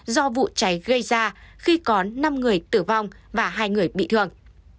do vụ cháy gây ra khi có năm người tử vong và hai người bị thương